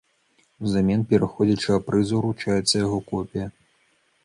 Узамен пераходзячага прыза ўручаецца яго копія.